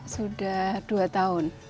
sudah dua tahun